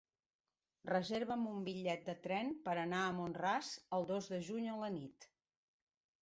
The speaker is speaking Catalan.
Reserva'm un bitllet de tren per anar a Mont-ras el dos de juny a la nit.